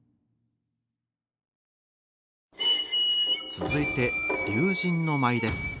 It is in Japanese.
続いて「竜神の舞」です。